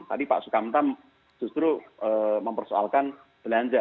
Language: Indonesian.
tadi pak sukamtam justru mempersoalkan belanja